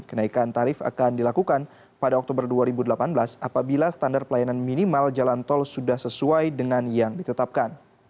kenaikan tarif akan dilakukan pada oktober dua ribu delapan belas apabila standar pelayanan minimal jalan tol sudah sesuai dengan yang ditetapkan